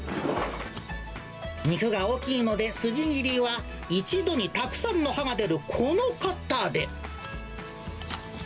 肉が大きいので、筋切りは、一度にたくさんの刃が出るこのカッターで。